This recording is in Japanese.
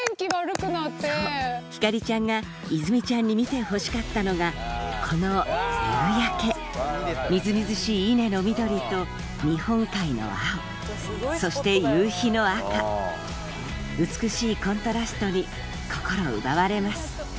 そう星ちゃんが泉ちゃんに見てほしかったのがこの夕焼けみずみずしい稲の緑と日本海の青そして夕日の赤美しいコントラストに心奪われます